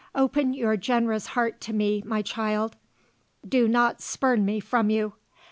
Open your generous heart to me, my child; do not spurn me from you.